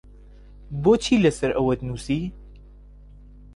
بۆچی لەسەر ئەوەت نووسی؟